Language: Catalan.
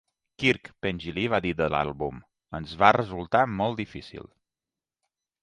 Kirk Pengilly va dir de l'àlbum: "Ens va resultar molt difícil".